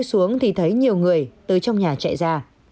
xuống thì thấy nhiều người từ trong nhà chạy ra